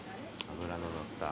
脂の乗った。